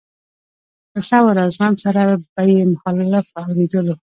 په صبر او زغم سره به يې مخالف اورېدلو.